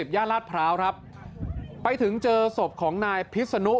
ย่านลาดพร้าวครับไปถึงเจอศพของนายพิษนุ